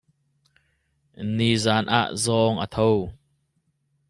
Nizaan ah zawng a tho.